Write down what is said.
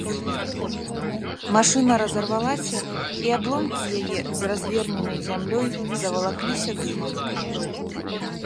Машына разарвалася, і абломкі яе, з разверненай зямлёй, завалакліся дымам.